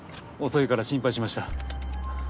遅いから心配しました。